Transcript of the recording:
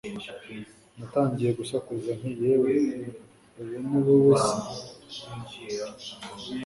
Natangiye gusakuza nti Yewe uwo uri we wese